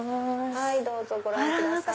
はいどうぞご覧ください。